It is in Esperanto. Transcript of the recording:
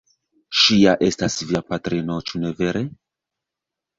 Ŝi ja estas via patrino, ĉu ne vere?